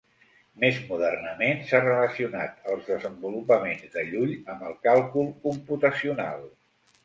Més modernament s'ha relacionat els desenvolupaments de Llull amb el càlcul computacional.